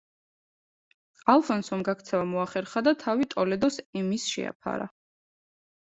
ალფონსომ გაქცევა მოახერხა და თავი ტოლედოს ემის შეაფარა.